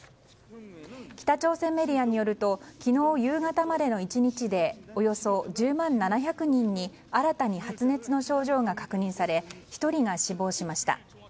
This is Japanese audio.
北朝鮮メディアによると昨日夕方までの１日でおよそ１０万７００人に新たに発熱の症状が確認され１人が死亡しました。